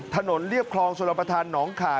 ถนนเรียบคลองสลบประทานหนองข่า